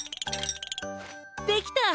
できた！